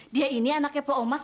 dia ini anaknya pro omas